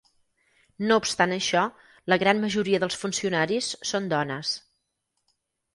No obstant això, la gran majoria dels funcionaris són dones.